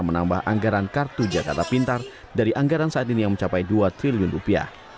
menambah anggaran kartu jakarta pintar dari anggaran saat ini yang mencapai dua triliun rupiah